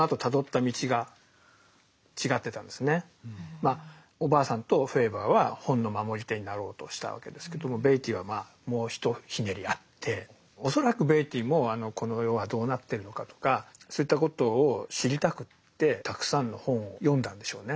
まあおばあさんとフェーバーは本の守り手になろうとしたわけですけどもベイティーはもう一ひねりあって恐らくベイティーもこの世はどうなってるのかとかそういったことを知りたくってたくさんの本を読んだんでしょうね。